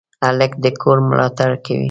هلک د کور ملاتړ کوي.